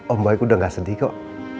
om baik udah gak sedih kok